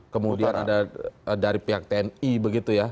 kemudian ada dari pihak tni begitu ya